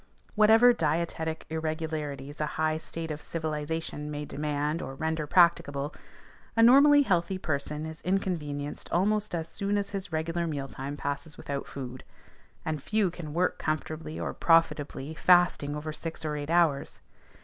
Whatever dietetic irregularities a high state of civilization may demand or render practicable, a normally healthy person is inconvenienced almost as soon as his regular mealtime passes without food; and few can work comfortably or profitably fasting over six or eight hours.